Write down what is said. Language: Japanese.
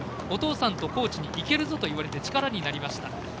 お父さんとコーチにいけるぞと言われて力になりました。